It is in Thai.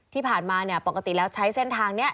ที่ผ่านมาเนี่ยปกติแล้วใช้เส้นทางนี้